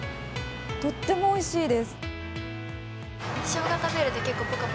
とってもおいしいです。